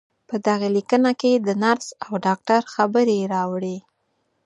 په دغې ليکنې کې د نرس او ډاکټر خبرې راوړې.